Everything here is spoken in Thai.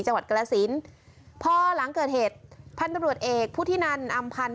จังหวัดกระศินดิ์พอหลังเกิดเหตุภัณฑ์ตำรูดเอกผู้ที่นั่นอ่ำพันฆ์